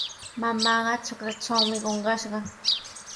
Mamaaqa trakratrawmi qunqashqa.